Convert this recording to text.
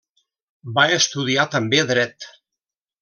Va estudiar també dret.